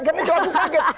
karena itu aku kaget